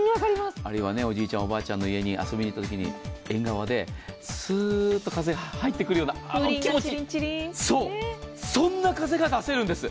あるいはおじいちゃん、おばあちゃんの家に遊びに行ったとき縁側ですーっと風が入ってくるようなあの気持ちよさ、そんな風が出せるんです。